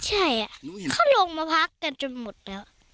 ใช่เขาลงมาพักกันจนหมดแล้ว